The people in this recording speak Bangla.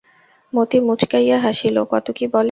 মতি মুচকাইয়া হাসিল, কত কী বলে।